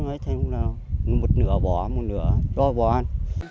nói chung là một nửa bò một nửa rồi bò ăn